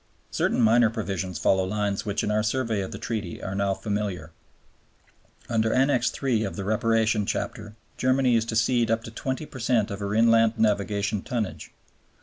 Certain minor provisions follow lines which in our survey of the Treaty are now familiar. Under Annex III. of the Reparation Chapter Germany is to cede up to 20 per cent of her inland navigation tonnage.